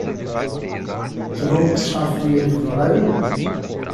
Toronto está fria em fevereiro?